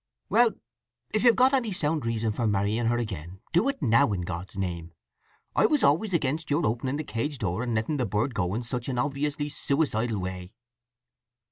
"Well—if you've got any sound reason for marrying her again, do it now in God's name! I was always against your opening the cage door and letting the bird go in such an obviously suicidal way.